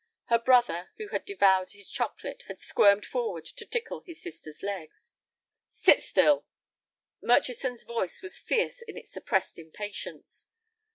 Her brother, who had devoured his chocolate, had squirmed forward to tickle his sister's legs. "Sit still." Murchison's voice was fierce in its suppressed impatience.